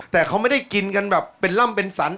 แต่เขาไม่ได้กินกันแบบเป็นร่ำเป็นสรร